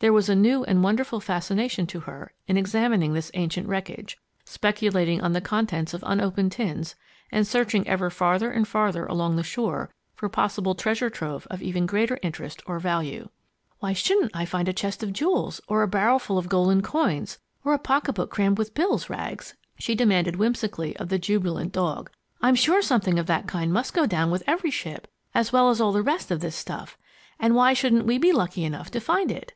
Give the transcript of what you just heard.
There was a new and wonderful fascination to her in examining this ancient wreckage, speculating on the contents of unopened tins, and searching ever farther and farther along the shore for possible treasure trove of even greater interest or value. "Why shouldn't I find a chest of jewels or a barrel full of golden coins or a pocket book crammed with bills, Rags?" she demanded whimsically of the jubilant dog. "I'm sure something of that kind must go down with every ship, as well as all the rest of this stuff, and why shouldn't we be lucky enough to find it?"